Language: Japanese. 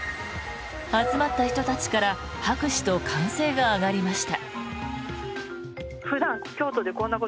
集まった人たちから拍手と歓声が上がりました。